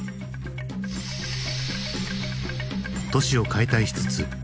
都市を解体しつつ戯れる。